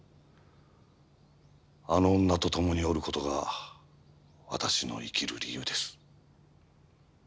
あの女と共におる事が私の生きる理由です。